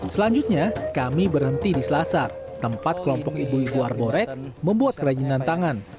selanjutnya kami berhenti di selasar tempat kelompok ibu ibu harborek membuat kerajinan tangan